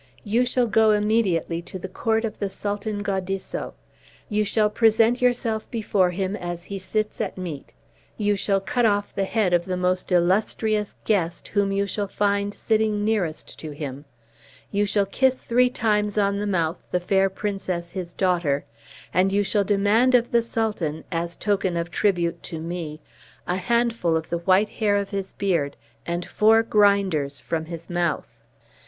You shall go immediately to the court of the Sultan Gaudisso; you shall present yourself before him as he sits at meat; you shall cut off the head of the most illustrious guest whom you shall find sitting nearest to him; you shall kiss three times on the mouth the fair princess, his daughter, and you shall demand of the Sultan, as token of tribute to me, a handful of the white hair of his beard, and four grinders from his mouth."